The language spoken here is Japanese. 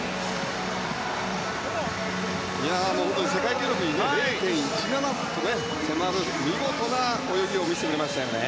世界記録に０．１７と見事な泳ぎを見せてくれましたね。